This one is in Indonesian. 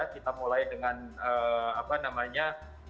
kita mulai dengan apa namanya